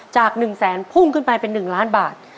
จากหนึ่งแสนพุ่งขึ้นไปเป็นหนึ่งล้านบาท